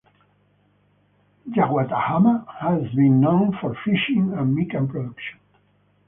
Yawatahama has been known for fishing and mikan production.